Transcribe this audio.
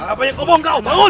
apa yang kau bongkau bangun